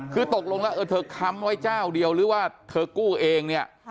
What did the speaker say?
คือตกลงแล้วเธอค้ำไว้เจ้าเดียวหรือว่าเธอกู้เองเนี่ย